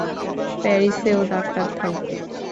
প্যারিসেও doctor থাকবে।